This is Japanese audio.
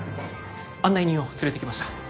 案内人を連れてきました。